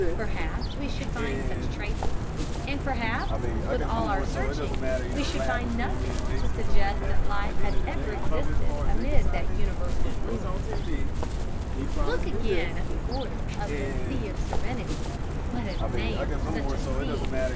Perhaps we should find such traces, and perhaps, with all our searching, we should find nothing to suggest that life had ever existed amid that universal ruin. [Illustration: Mare Tranquilitatis and surroundings] Look again at the border of the "Sea of Serenity"—what a name for such a scene!